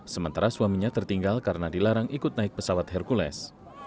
sementara suaminya tertinggal karena dilarang ikut naik pesawat hercules